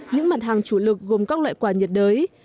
những mặt hàng chủ lực gồm các loại quả nhiệt đới